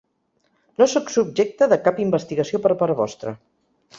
No sóc subjecte de cap investigació per part vostra.